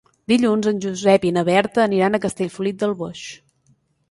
Dilluns en Josep i na Berta aniran a Castellfollit del Boix.